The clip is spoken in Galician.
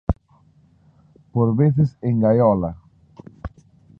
Por veces engaiola.